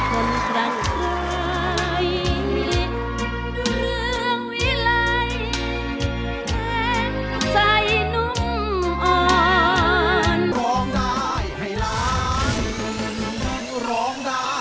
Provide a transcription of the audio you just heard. แทนใส่นุ่มอ่อน